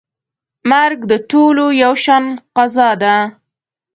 مرګ د ټولو یو شان قضا ده.